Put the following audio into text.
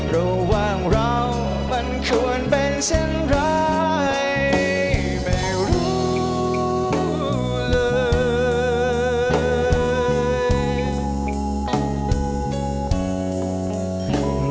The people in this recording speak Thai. ระหว่างเรามันควรเป็นเชิญไร